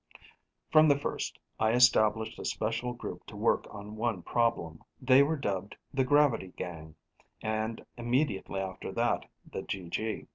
From the first, I established a special group to work on one problem. They were dubbed the Gravity Gang, and immediately after, the GG.